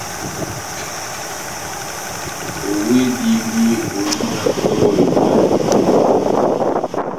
Owedindi ó tina ya kɔhɔ yɔ́ngɔ ya etomba